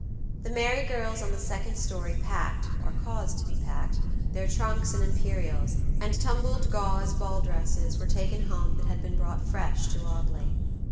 The merry girls on the second story packed, or caused to be packed, their trunks and imperials, and tumbled gauze ball dresses were taken home that had been brought fresh to Audley.